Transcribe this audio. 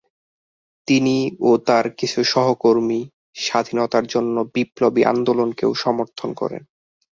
তিনি ও তার কিছু সহকর্মী স্বাধীনতার জন্য বিপ্লবী আন্দোলনকেও সমর্থন করেন।